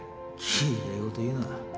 きれい事言うな。